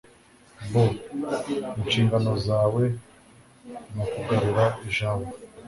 bo. inshingano zawe nukugarura ijambo